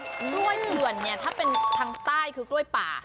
กล้วยเถื่อนเนี่ยถ้าเป็นทางใต้คือกล้วยป่า